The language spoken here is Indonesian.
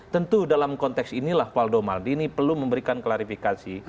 tentu dalam konteks inilah faldo maldini perlu memberikan klarifikasi